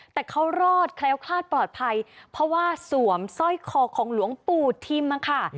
แต่เขารอดแคล้วคลาดปลอดภัยเพราะว่าสวมสร้อยคอของหลวงปู่ทิมมาค่ะ